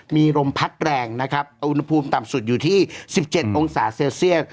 มีลมพัดแรงนะครับอุณหภูมิต่ำสุดอยู่ที่๑๗องศาเซลเซียส